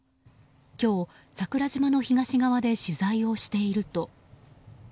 今日、桜島の東側で取材をしていると。